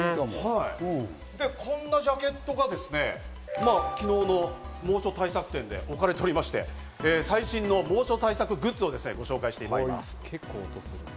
で、こんなジャケットが昨日の猛暑対策展で置かれておりまして、最新の猛暑対策グッズを紹介してまいります。